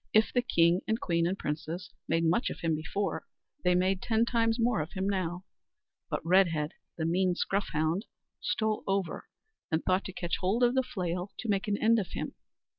If the king, and queen, and princess, made much of him before, they made ten times more of him now; but Redhead, the mean scruff hound, stole over, and thought to catch hold of the flail to make an end of him.